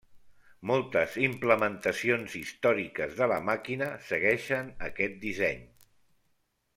Moltes implementacions històriques de la màquina segueixen aquest disseny.